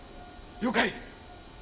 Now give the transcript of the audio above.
了解！